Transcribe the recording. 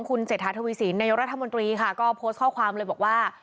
คุณเศรษฐาทวีสินนายกรัฐมนตรีค่ะก็โพสต์ข้อความเลยบอกว่า